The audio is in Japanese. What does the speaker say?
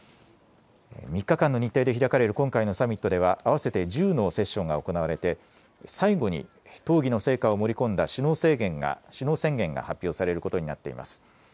３日間の日程で開かれる今回のサミットでは合わせて１０のセッションが行われて最後に討議の成果を盛り込んだ首脳宣言が発表されることになっています。